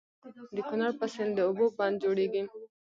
د کنړ په سيند د اوبو بند جوړيږي.